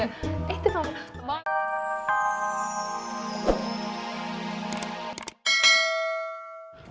eh itu pak bos